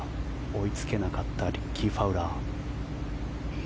追いつけなかったリッキー・ファウラー。